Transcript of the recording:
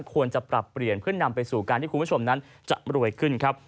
ควรจะปรับเปลี่ยนเพื่อนำไปสู่การที่คุณผู้ชมนั้นจะรวยขึ้นครับ